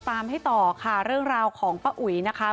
ตามให้ต่อค่ะเรื่องราวของป้าอุ๋ยนะคะ